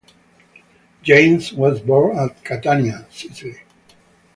James was born at Catania, Sicily.